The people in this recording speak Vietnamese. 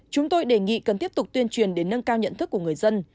chúng tôi đề nghị cần tiếp tục tuyên truyền để nâng cao nhận thức của người dân